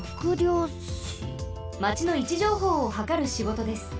まちのいちじょうほうをはかるしごとです。